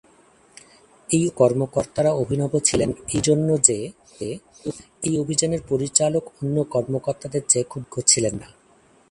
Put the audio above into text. এই অভিযানের কর্মকর্তারা অভিনব ছিলেন এই জন্য, যে এই অভিযানের পরিচালক অন্য কর্মকর্তাদের চেয়ে খুব বেশি অভিজ্ঞ ছিলেন না।